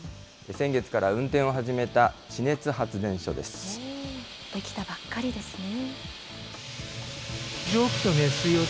先月から運転を始めた地熱発電所出来たばっかりですね。